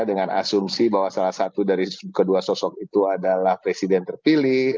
dengan asumsi bahwa salah satu dari kedua sosok itu adalah presiden terpilih